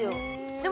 でも